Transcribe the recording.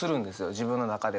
自分の中では。